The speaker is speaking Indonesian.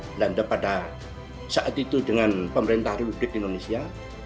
belanda pada saat itu dengan pemerintah republik indonesia